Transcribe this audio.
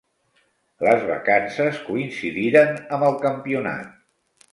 Les vacances coincidiren amb el campionat.